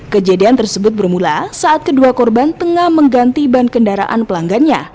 kejadian tersebut bermula saat kedua korban tengah mengganti ban kendaraan pelanggannya